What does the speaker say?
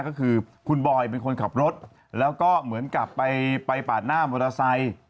ก็คือคุณบอยเป็นคนขับรถแล้วก็เหมือนกลับไปปาดหน้ามอเตอร์ไซค์